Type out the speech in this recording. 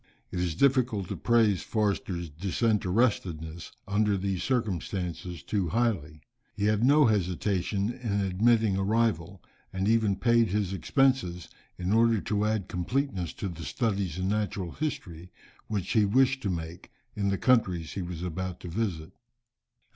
It is difficult to praise Forster's disinterestedness under these circumstances too highly. He had no hesitation in admitting a rival, and even paid his expenses, in order to add completeness to the studies in natural history which he wished to make in the countries he was about to visit.